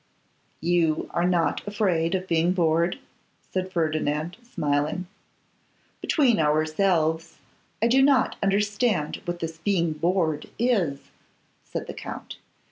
'You are not afraid of being bored,' said Ferdinand, smiling. 'Between ourselves, I do not understand what this being bored is,' said the Count.